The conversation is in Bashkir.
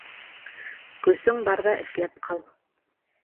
Көсөң барҙа эшләп ҡал.